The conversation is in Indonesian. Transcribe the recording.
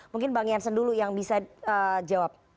mungkin bang jansen dulu yang bisa jawab